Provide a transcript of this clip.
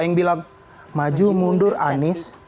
yang bilang maju mundur anies